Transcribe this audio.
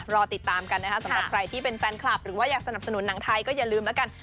รอติดตามกันนะคะสำหรับใครที่เป็นแฟนคลับหรือว่าอยากสนับสนุนหนังไทยก็อย่าลืมแล้วกัน